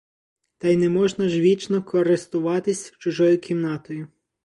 Та й не можна ж вічно користуватись чужою кімнатою!